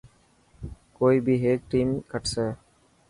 ڪوئي بي هيڪ ٽيم کٽسي.